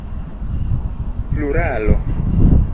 pluralo